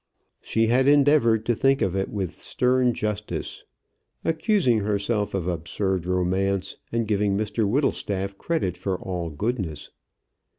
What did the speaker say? She had endeavoured to think of it with stern justice, accusing herself of absurd romance, and giving Mr Whittlestaff credit for all goodness.